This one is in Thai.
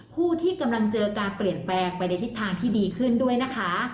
ผู้ที่กำลังเจอการเปลี่ยนแปลงไปในทิศทางที่ดีขึ้นด้วยนะคะ